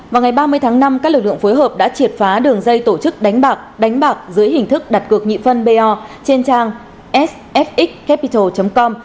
vào ngày ba mươi tháng năm các lực lượng phối hợp đã triệt phá đường dây tổ chức đánh bạc dưới hình thức đặt cược nhị phân b o trên trang sfxcapital com